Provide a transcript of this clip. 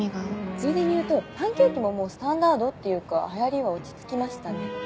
ついでに言うとパンケーキももうスタンダードっていうか流行りは落ち着きましたね。